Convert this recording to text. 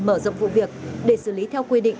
mở rộng vụ việc để xử lý theo quy định